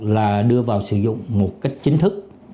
là đưa vào sử dụng một cách chính thức